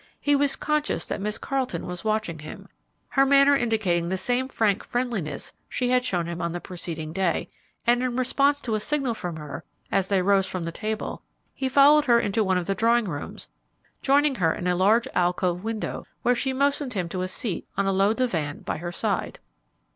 He was conscious that Miss Carleton was watching him, her manner indicating the same frank friendliness she had shown him on the preceding day, and in response to a signal from her, as they rose from the table, he followed her into one of the drawing rooms, joining her in a large alcove window, where she motioned him to a seat on a low divan by her side.